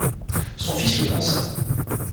Son fils le pensa.